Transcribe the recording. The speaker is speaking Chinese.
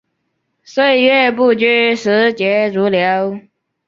岁月不居，时节如流。